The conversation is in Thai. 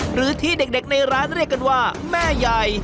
หรือที่เด็กในร้านเรียกกันว่าแม่ใหญ่